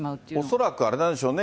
恐らく、あれなんでしょうね。